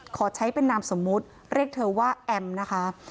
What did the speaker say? ขอใช้เป็นนามสมมุติเรียกเธอว่าแอมนะคะ